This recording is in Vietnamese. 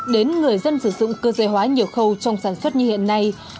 đến người dân sử dụng cơ giới hóa nhiều khâu trong sản xuất như hiện nay